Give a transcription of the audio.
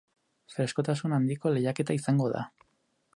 Freskotasun handiko lehiaketa izango da.